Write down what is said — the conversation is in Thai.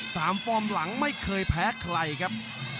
ฟอร์มหลังไม่เคยแพ้ใครครับ